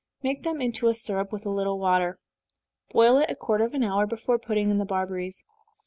Make them into a syrup with a little water boil it a quarter of an hour before putting in the barberries.